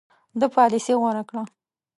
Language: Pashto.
ده پالیسي غوره کړه.